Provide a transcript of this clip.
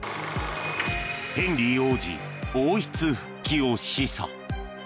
ヘンリー王子王室復帰を示唆。